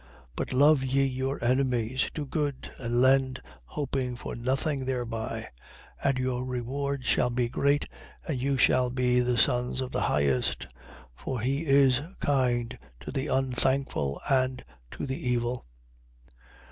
6:35. But love ye your enemies: do good, and lend, hoping for nothing thereby: and your reward shall be great, and you shall be the sons of the Highest. For he is kind to the unthankful and to the evil.